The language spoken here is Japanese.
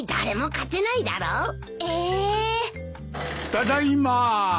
ただいま。